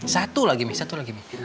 satu lagi mi satu lagi mi